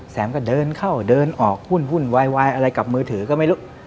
แซมก็เดินเข้าเดินออกหุ้นวายอะไรกับมือถือก็ไม่รู้